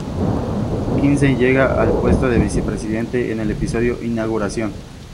Kinsey llega al puesto de Vice-Presidente en el episodio "Inauguración".